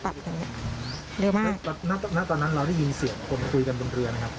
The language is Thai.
อย่างเงี้ยอืมเร็วมากแล้วตอนนั้นเราได้ยินเสียงคนคุยกันบนเรือนะครับ